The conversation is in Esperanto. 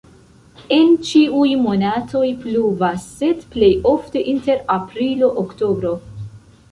En ĉiuj monatoj pluvas, sed plej ofte inter aprilo-oktobro.